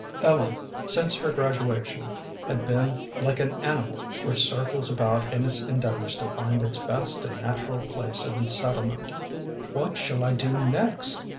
Ellen, since her graduation, had been like an animal which circles about in its endeavors to find its best and natural place of settlement. "What shall I do next?"